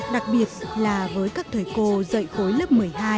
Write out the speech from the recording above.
đặc biệt là với các thầy cô dạy khối lớp một mươi hai